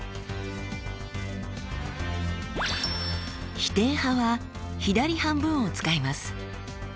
否定派は左半分を使います。